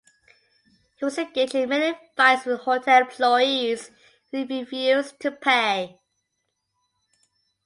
He was engaged in many fights with hotel employees when he refused to pay.